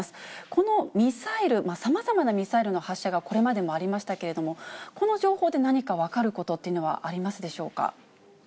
このミサイル、さまざまなミサイルの発射がこれまでもありましたけれども、この情報で何か分かることというのはありますでしょうか。